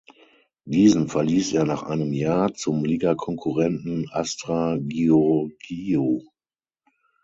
Diesen verließ er nach einem Jahr zum Ligakonkurrenten Astra Giurgiu.